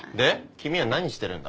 君は何してるんだ？